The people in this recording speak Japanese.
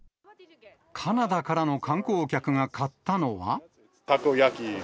カナダからの観光客が買ったのは？